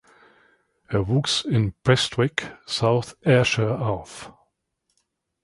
Er wuchs in Prestwick, South Ayrshire, auf.